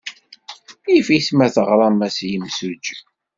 Yif-it ma teɣram-as i yimsujji.